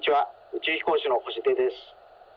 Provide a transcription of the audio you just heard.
宇宙飛行士の星出です。